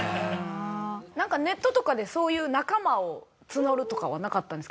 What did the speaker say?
なんかネットとかでそういう仲間を募るとかはなかったんですか？